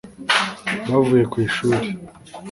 bavuye ku ishuri